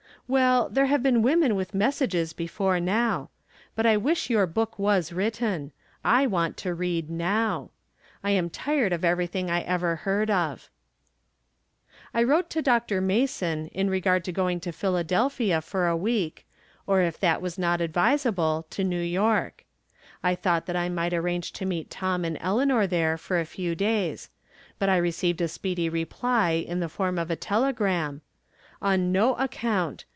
Well, there have been women with messages be fore now. But I wish your book was AATitten. I want it to read now. I am tired of everything I ever heard of. I wrote to Dr. Mason in regard to going to Pliiladelphia for a week, or, if that was not ad visable, to New York. I thought that I might arrange to meet Tom and Eleanor there for a few days. But t received a speedy reply in the form of a telegram :" On no account.